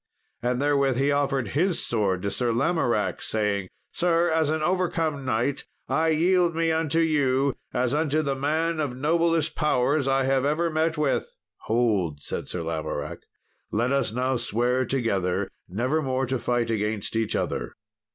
And therewith he offered his sword to Sir Lamoracke, saying, "Sir, as an overcome knight, I yield me unto you as unto the man of noblest powers I have ever met with." "Hold," said Sir Lamoracke, "let us now swear together nevermore to fight against each other."